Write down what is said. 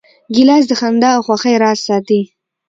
ګیلاس د خندا او خوښۍ راز ساتي.